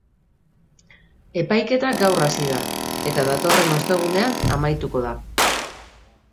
Epaiketa gaur hasi da eta datorren ostegunean amaituko da.